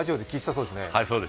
そうですね。